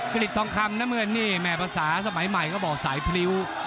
กฤตทองคำน้ำเมือกนี่แหม่ภาษายาสมัยใหม่ก็บอกสายผลิว